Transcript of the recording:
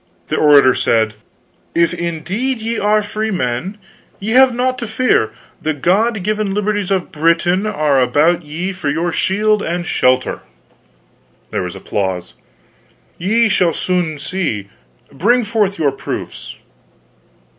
The orator said: "If, indeed, ye are freemen, ye have nought to fear the God given liberties of Britain are about ye for your shield and shelter! Ye shall soon see. Bring forth your proofs."